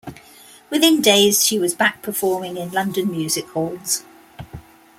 Within days she was back performing in London music halls.